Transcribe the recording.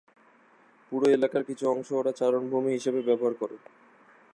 পুরো এলাকার কিছু অংশ ওরা চারণভূমি হিসেবে ব্যবহার করে।